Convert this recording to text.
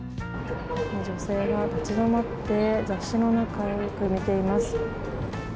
女性が立ち止まって雑誌を見ています。